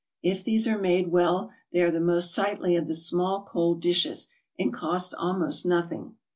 If these are made well, they are the most sightly of the small cold dishes, and cost almost nothing.